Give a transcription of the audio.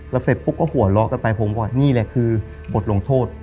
แล้วเสร็จปุ๊บก็หัวเราะกันไปผมบอกนี่แหละคือบทลงโทษ